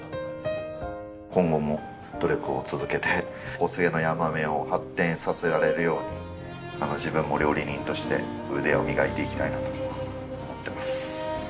今後も努力を続けて小菅のヤマメを発展させられるように自分も料理人として腕を磨いていきたいなと思ってます。